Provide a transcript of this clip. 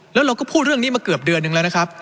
แล้วเราก็พูดเรื่องนี้มาเกือบเดือนนึงแล้วนะครับ